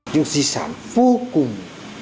những di sản vô cùng